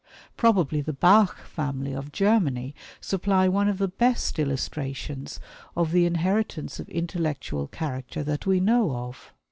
Probably the Bach family, of Germany, supply one of the best illustrations of the inheritance of intellectual character that we know of.